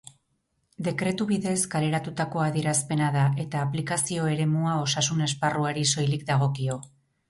Dekretu bidez kaleratutako adierazpena da, eta aplikazio eremua osasun esparruari soilik dagokio.